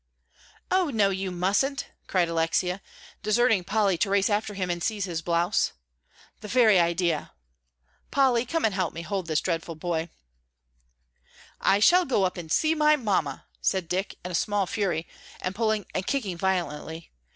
"Oh, no, you mustn't," cried Alexia, deserting Polly to race after him and seize his blouse. "The very idea Polly, come and help me hold this dreadful boy." "I shall go up and see my Mamma," said Dick, in a small fury, and pulling and kicking violently.